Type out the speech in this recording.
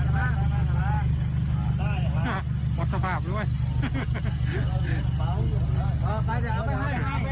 เย็นกว่ากันแล้ว